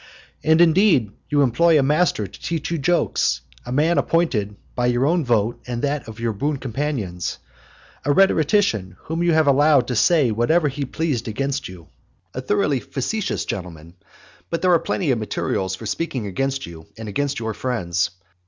And, indeed, you employ a master to teach you jokes, a man appointed by your own vote and that of your boon companions; a rhetorician, whom you have allowed to say what ever he pleased against you, a thoroughly facetious gentleman; but there are plenty of materials for speaking against you and against your friends.